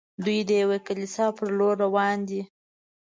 دوی د یوې کلیسا پر لور روان دي.